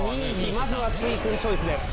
まずはスイクンチョイスです。